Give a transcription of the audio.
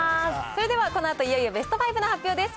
それではこのあといよいよベスト５の発表です。